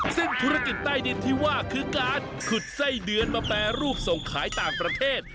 ซึ่งธุรกิจใต้ดินที่ว่าคือการขุดไส้เดือนมาแปรรูปส่งขายต่างประเทศ